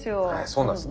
そうなんです。